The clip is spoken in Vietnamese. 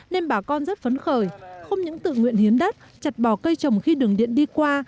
nên bà con rất phấn khởi không những tự nguyện hiến đất chặt bỏ cây trồng khi đường điện đi qua